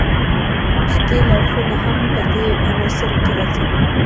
ښکیل اړخونه هم په دې عناصرو کې راځي.